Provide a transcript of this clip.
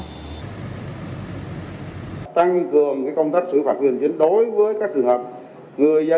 tại cuộc họp chiều qua đại diện phòng cảnh sát giao thông đường bộ đường sắt công an thành phố hồ chí minh cho biết